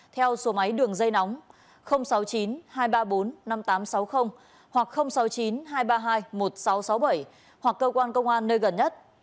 theo số máy đường dây nóng sáu mươi chín hai trăm ba mươi bốn năm nghìn tám trăm sáu mươi hoặc sáu mươi chín hai trăm ba mươi hai một nghìn sáu trăm sáu mươi bảy hoặc cơ quan công an nơi gần nhất